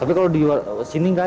tapi kalo di sini gak ada ya